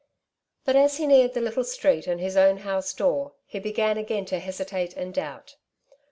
But as he neared the little street and his own house door, he began again to hesitate and doubt.